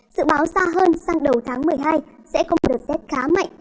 sự báo xa hơn sang đầu tháng một mươi hai sẽ không được xét khá mạnh